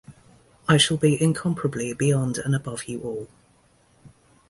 I shall be incomparably beyond and above you all.